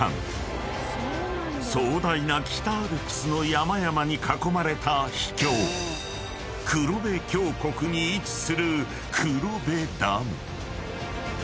［壮大な北アルプスの山々に囲まれた秘境黒部峡谷に位置する黒部ダム］